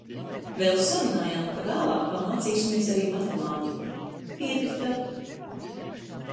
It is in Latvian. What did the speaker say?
Vēl sarunājām, ka vēlāk pamācīsimies arī matemātiku. Piekrita.